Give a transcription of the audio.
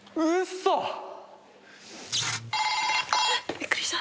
びっくりした。